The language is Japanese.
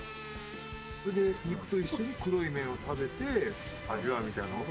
それで肉と一緒に黒い麺を食べて味わうみたいな。